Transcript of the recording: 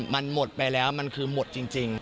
มันหมดไปแล้วมันคือหมดจริง